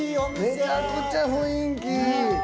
めちゃくちゃ雰囲気いい。